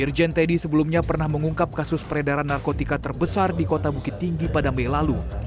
irjen teddy sebelumnya pernah mengungkap kasus peredaran narkotika terbesar di kota bukit tinggi pada mei lalu